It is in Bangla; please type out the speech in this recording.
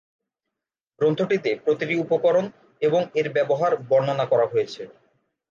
গ্রন্থটিতে প্রতিটি উপকরণ এবং এর ব্যবহার বর্ণনা করা হয়েছে।